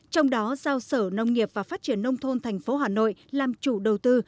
trong đó giao sở nông nghiệp và phát triển nông thôn thành phố hà nội làm chủ đầu tư